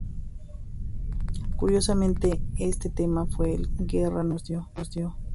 Curiosamente este tema fue el que más guerra nos dio.